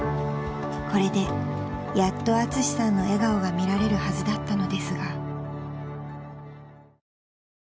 ［これでやっとアツシさんの笑顔が見られるはずだったのですが］